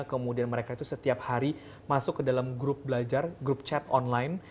kemudian mereka itu setiap hari masuk ke dalam grup belajar grup chat online